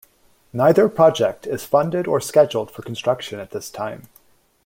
Neither project is funded or scheduled for construction at this time.